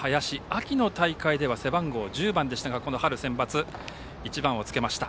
秋の大会では背番号１０番でしたがこの春センバツ１番をつけました。